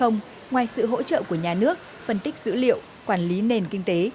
ngoài sự hỗ trợ của nhà nước phân tích dữ liệu quản lý nền kinh tế